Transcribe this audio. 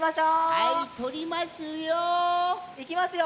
はいとりますよ。いきますよ。